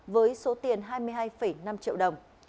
với số tiền hai mươi hai năm triệu đồng